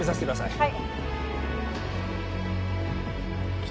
・はい